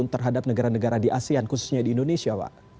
terhadap negara negara di asean khususnya di indonesia pak